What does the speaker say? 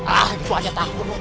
ah aku aja takut dong